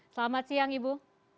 selamat siang ibu